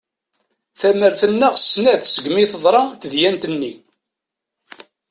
Tamert neɣ snat segmi teḍra tedyant-nni.